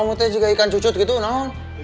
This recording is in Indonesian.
apa kamu teh juga ikan cucut gitu nong